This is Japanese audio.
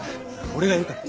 俺がいるから。